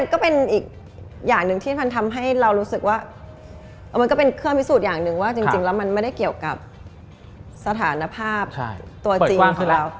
ก็เป็นอีกอย่างหนึ่งที่มันทำให้เรารู้สึกว่ามันก็เป็นเครื่องพิสูจน์อย่างหนึ่งว่าจริงแล้วมันไม่ได้เกี่ยวกับสถานภาพตัวจริงของเรา